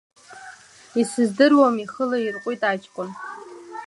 Исыздыруам, ихы лаирҟәит аҷкәын.